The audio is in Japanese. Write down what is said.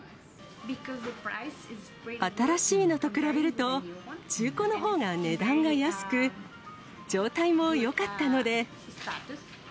新しいのと比べると、中古のほうが値段が安く、状態もよかったので。